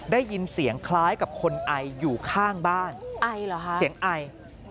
ได้ยินเสียงคล้ายกับคนไออยู่ข้างบ้านไอเหรอคะเสียงไอ